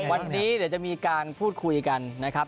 วันนี้เดี๋ยวจะมีการพูดคุยกันนะครับ